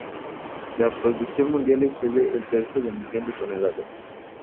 La producción mundial excede el tercio de millón de toneladas.